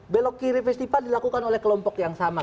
belok kiri festival dilakukan oleh kelompok yang sama